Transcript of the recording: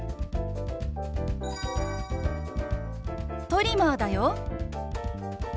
トリマーだよ。